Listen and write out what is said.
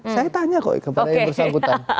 saya tanya kok kepada yang bersangkutan